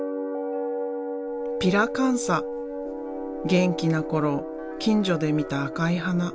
元気な頃近所で見た赤い花。